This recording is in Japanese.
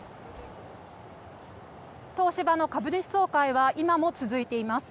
東芝の株主総会は今も続いています。